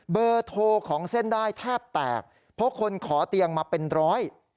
เบอร์โทรของเส้นได้แทบแตกเพราะคนขอเตียงมาเป็นร้อย